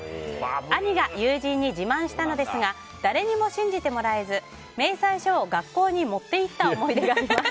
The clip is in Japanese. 兄が友人に自慢したのですが誰にも信じてもらえず明細書を学校に持って行った思い出があります。